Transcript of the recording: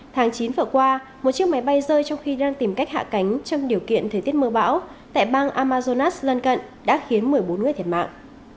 tháng chín vừa qua một chiếc máy bay rơi trong khi đang tìm cách hạ cánh trong điều kiện thời tiết mưa bão tại bang amazonas lân cận đã khiến một mươi bốn người thiệt mạng